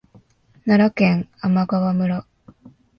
奈良県天川村